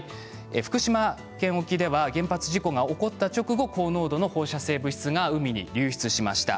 福島県沖では原発事故が起こった直後、高濃度の放射性物質が海に流出しました。